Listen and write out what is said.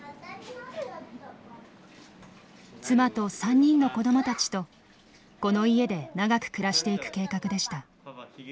妻と３人の子どもたちとこの家で長く暮らしていく計画でした。